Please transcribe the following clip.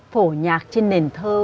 phổ nhạc trên nền thơ